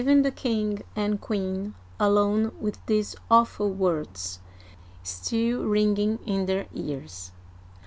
(996 1031) 103 ing the king and queen alone with these awful words still ringing in their ears